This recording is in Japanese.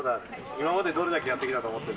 今まで、どれだけやってきたと思ってる？